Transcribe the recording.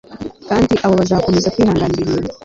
Kandi abo bazakomeza kwihanganira ibintu